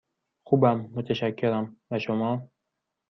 خوبم، متشکرم، و شما؟